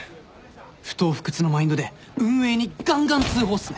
不撓不屈のマインドで運営にがんがん通報っすね！